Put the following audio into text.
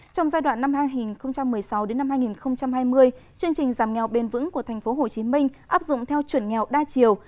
trong giai đoạn năm hai nghìn một mươi sáu hai nghìn hai mươi chương trình giảm nghèo bền vững của tp hcm áp dụng theo chuẩn nghèo đa chiều